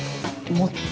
もっと？